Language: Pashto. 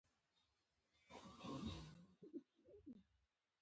دا سیند د نیل له سیند څخه وروسته دوهم مقام لري.